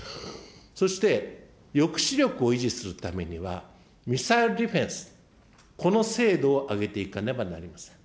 そして、抑止力を維持するためには、ミサイルディフェンス、この精度を上げていかねばなりません。